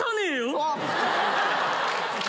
あっ！